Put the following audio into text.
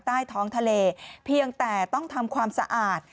ใต้ท้องทะเลเพียงแต่ต้องทำความสะอาด